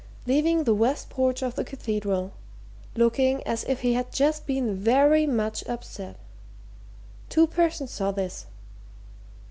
leaving the west porch of the Cathedral, looking as if he had just been very much upset. Two persons saw this."